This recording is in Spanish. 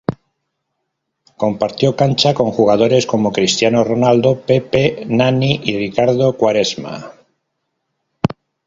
Compartió cancha con jugadores como Cristiano Ronaldo, Pepe, Nani y Ricardo Quaresma.